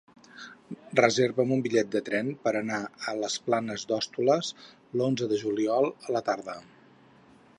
Reserva'm un bitllet de tren per anar a les Planes d'Hostoles l'onze de juliol a la tarda.